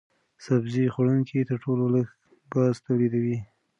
سبزي خوړونکي تر ټولو لږ ګاز تولیدوي.